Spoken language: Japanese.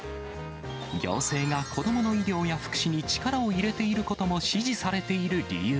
行政が子どもの医療や福祉に力を入れていることも支持されている理由。